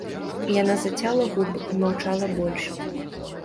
Яна зацяла губы і маўчала больш.